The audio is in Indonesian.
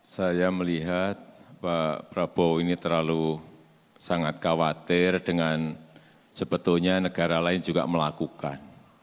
saya melihat pak prabowo ini terlalu sangat khawatir dengan sebetulnya negara lain juga melakukan